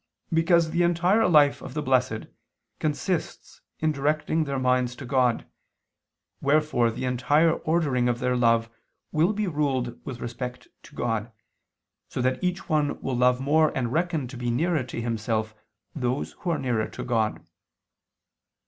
Because the entire life of the blessed consists in directing their minds to God, wherefore the entire ordering of their love will be ruled with respect to God, so that each one will love more and reckon to be nearer to himself those who are nearer to God.